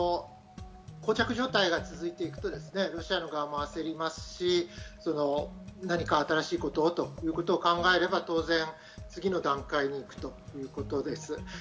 膠着状態が続いていくと、ロシア側も焦りますし、何か新しいことをということを考えれば当然、次の段階に行くということです。